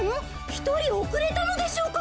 ひとりおくれたのでしょうか？